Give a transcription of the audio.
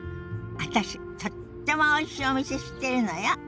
私とってもおいしいお店知ってるのよ。